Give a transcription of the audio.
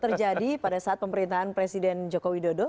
terjadi pada saat pemerintahan presiden joko widodo